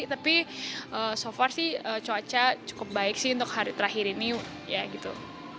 tapi so far sih cuaca cukup baik sih untuk hari terakhir ini ya gitu